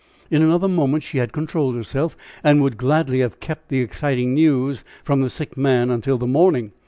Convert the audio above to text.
In another moment she had controlled herself, and would gladly have kept the exciting news from the sick man until the morning.